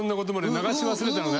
流し忘れたのね。